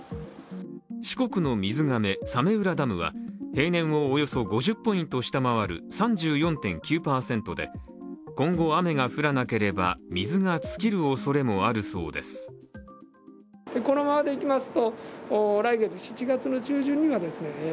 四国の水がめ・早明浦ダムは平年をおよそ５０ポイント下回る３４．９％で今後、雨が降らなければ、水が尽きるおそれもあるそうです。